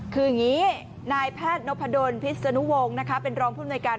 คืออย่างนี้นายแพทย์นพดลพิษฎนู่งเป็นรองผู้ในการ